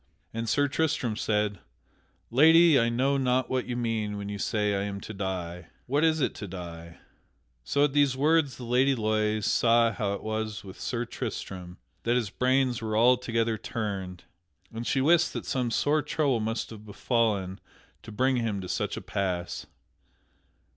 And Sir Tristram said: "Lady, I know not what you mean when you say I am to die. What is it to die?" So at these words the Lady Loise saw how it was with Sir Tristram; that his brains were altogether turned; and she wist that some sore trouble must have befallen to bring him to such a pass.